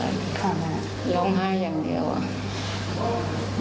ร้องไห้อย่างเดียวอ่ะ